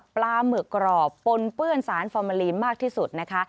หมึกกรอบปนเปื้อนสารฟอร์มาลีนมากที่สุดนะคะ